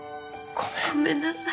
ごめんなさい。